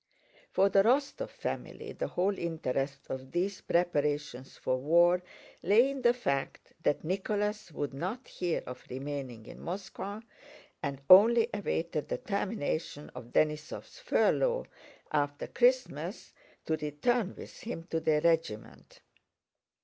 For the Rostóv family the whole interest of these preparations for war lay in the fact that Nicholas would not hear of remaining in Moscow, and only awaited the termination of Denísov's furlough after Christmas to return with him to their regiment.